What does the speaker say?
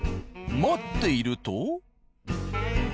待っていると。